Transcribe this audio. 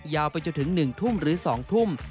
ยาวไปจะถึงหนึ่งทุ่มหรือสองทุ่ม